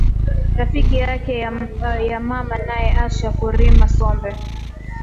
Rafiki yake ya mama naye asha kurima sombe